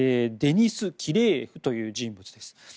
デニス・キレーエフという人物です。